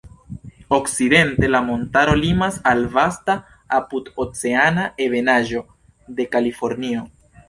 Okcidente la montaro limas al vasta apudoceana ebenaĵo de Kalifornio.